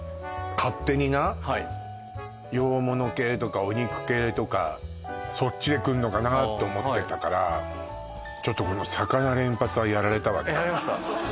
勝手になはい洋物系とかお肉系とかそっちでくるのかなと思ってたからちょっとこの魚連発はやられたわねやられました？